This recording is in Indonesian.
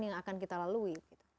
yang akan kita lalui